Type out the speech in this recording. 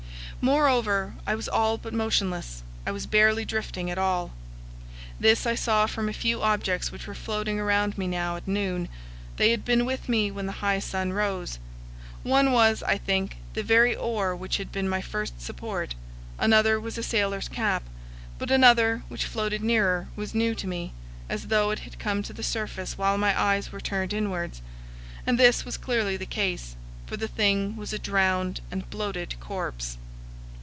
Moreover, I was all but motionless; I was barely drifting at all. This I saw from a few objects which were floating around me now at noon; they had been with me when the high sun rose. One was, I think, the very oar which had been my first support; another was a sailor's cap; but another, which floated nearer, was new to me, as though it had come to the surface while my eyes were turned inwards. And this was clearly the case; for the thing was a drowned and bloated corpse.